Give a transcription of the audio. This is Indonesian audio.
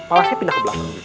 pala saya pindah ke belakang